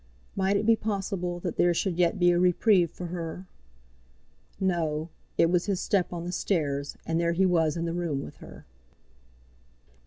Might it be possible that there should yet be a reprieve for her? No; it was his step on the stairs, and there he was in the room with her.